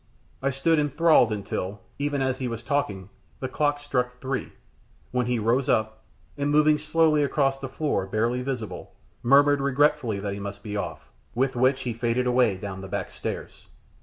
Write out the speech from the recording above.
I stood inthralled until, even as he was talking, the clock struck three, when he rose up, and moving slowly across the floor, barely visible, murmured regretfully that he must be off, with which he faded away down the back stairs.